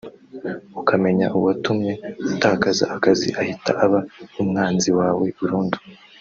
ukamenya uwatumye utakaza akazi ahita aba umwanzi wawe burundu